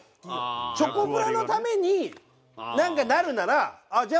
チョコプラのためになんかなるならじゃあ